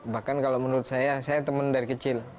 bahkan kalau menurut saya saya teman dari kecil